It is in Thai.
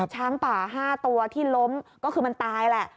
ช้างป่า๕ตัวที่ล้มก็คือมันตายแหละ